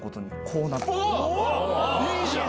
いいじゃん！